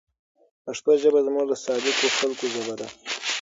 پښتو ژبه زموږ د صادقو خلکو ژبه ده.